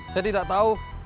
saya tidak tahu